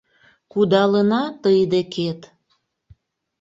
Кудалына тый декет?